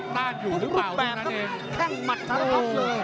ต้านอยู่หรือเปล่าดังนั้นเอง